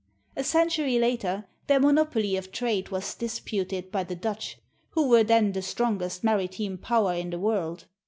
A century later, their monopoly of trade was disputed by the Dutch, who were then the strongest maritime power in the world.